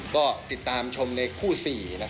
ก็ติดตามสิ่งชมในคู่๔ของวันนี้ติดสาม